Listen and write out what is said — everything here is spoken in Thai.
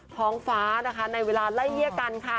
ท้องฟ้านะคะในเวลาไล่เลี่ยกันค่ะ